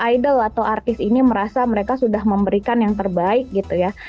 idol atau artis ini merasa mereka sudah memberikan yang terbaik gitu ya